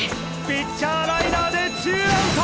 ピッチャーライナーでツーアウト！